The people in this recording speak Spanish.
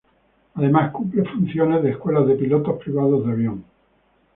Además, cumple funciones de escuela de pilotos privados de avión.